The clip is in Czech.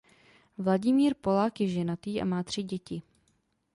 Vladimír Polák je ženatý a má tři děti.